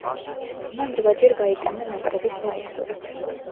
მან რვაჯერ გაიტანა ნაკრების მაისურით.